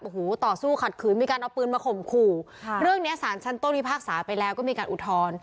โอ้โหต่อสู้ขัดขืนมีการเอาปืนมาข่มขู่ค่ะเรื่องเนี้ยสารชั้นต้นพิพากษาไปแล้วก็มีการอุทธรณ์